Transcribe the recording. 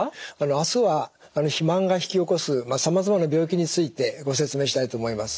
明日は肥満が引き起こすさまざまな病気についてご説明したいと思います。